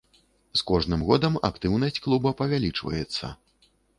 З кожным годам актыўнасць клуба павялічваецца.